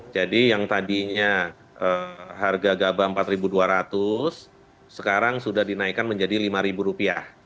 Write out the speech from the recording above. jadi yang tadinya harga gabah rp empat dua ratus sekarang sudah dinaikkan menjadi rp lima